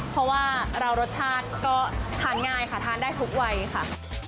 เพราะว่าเรารสชาติก็ทานง่ายค่ะทานได้ทุกวัยค่ะ